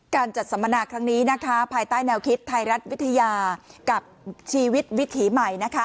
การจัดสัมมนาครั้งนี้นะคะภายใต้แนวคิดไทยรัฐวิทยากับชีวิตวิถีใหม่